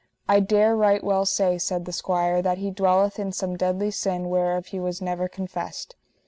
I dare right well say, said the squire, that he dwelleth in some deadly sin whereof he was never confessed.